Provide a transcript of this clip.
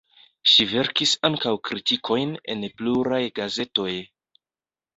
Ŝi verkis ankaŭ kritikojn en pluraj gazetoj.